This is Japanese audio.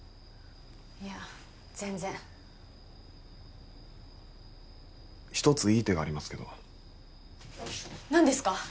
いや全然一ついい手がありますけど何ですか？